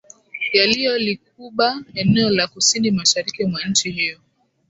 yaliyo likuba eneo la kusini mashariki mwa nchi hiyo